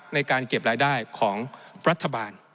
ในการเก็บรายได้ของรัฐบาล